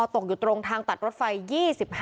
พวกมันต้องกินกันพี่